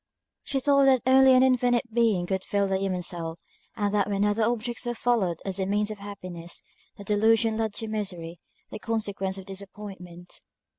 She thought that only an infinite being could fill the human soul, and that when other objects were followed as a means of happiness, the delusion led to misery, the consequence of disappointment.